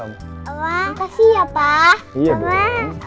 terima kasih pak